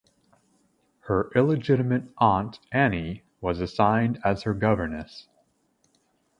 Her illegitimate aunt Anne was assigned as her governess.